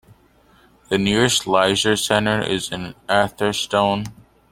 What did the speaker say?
The nearest Leisure centre is in Atherstone.